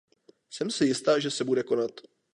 Jsem si jista, že se bude konat.